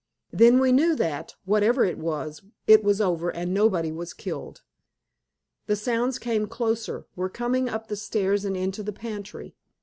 Then we knew that, whatever it was, it was over, and nobody was killed. The sounds came closer, were coming up the stairs and into the pantry.